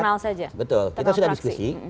ya kita lihat betul kita sudah diskusi